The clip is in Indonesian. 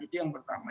itu yang pertama